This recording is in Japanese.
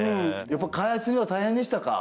やっぱり開発には大変でしたか？